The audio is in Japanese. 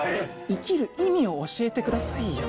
生きる意味を教えてくださいよ。